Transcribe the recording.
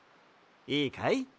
いいかい？